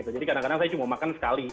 jadi kadang kadang saya cuma makan sekali